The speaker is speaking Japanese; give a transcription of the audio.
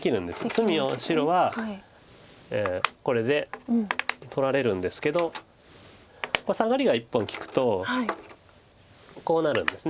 隅を白はこれで取られるんですけどサガリが１本利くとこうなるんです。